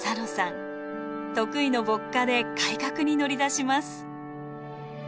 得意の歩荷で改革に乗り出します。